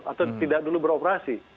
atau tidak dulu beroperasi